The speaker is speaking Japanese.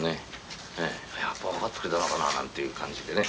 やっぱ分かってくれたのかな？なんていう感じでね